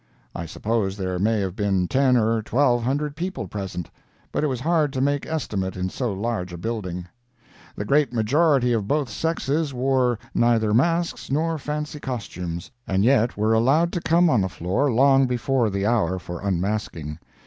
I suppose there may have been ten or twelve hundred people present, but it was hard to make estimate in so large a building. The great majority of both sexes wore neither masks nor fancy costumes, and yet were allowed to come on the floor long before the hour for unmasking.